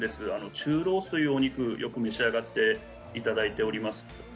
中ロースというお肉をよく召し上がっていただいております。